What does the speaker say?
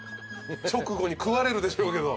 直後に食われるでしょうけど。